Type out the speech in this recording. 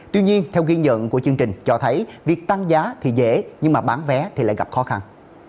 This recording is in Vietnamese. tuy nhiên theo ghi nhận của chương trình cho thấy việc tăng giá thì dễ nhưng bán vé thì lại gặp khó khăn